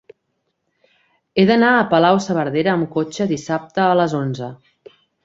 He d'anar a Palau-saverdera amb cotxe dissabte a les onze.